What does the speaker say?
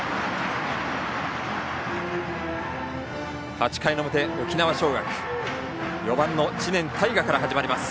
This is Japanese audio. ８回表、沖縄尚学４番の知念大河から始まります。